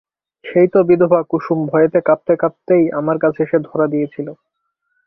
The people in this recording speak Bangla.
সেই তো বিধবা কুসুম ভয়েতে কাঁপতে কাঁপতেই আমার কাছে এসে ধরা দিয়েছিল।